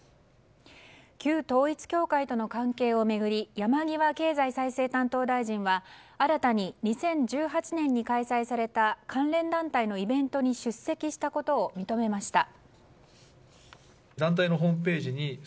旧統一教会との関係を巡り山際経済再生担当大臣は新たに２０１８年に開催された関連団体のイベントに出席したことを認めました。